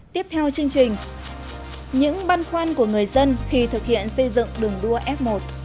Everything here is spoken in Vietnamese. tiếp theo chương trình những băn khoăn của người dân khi thực hiện xây dựng đường đua f một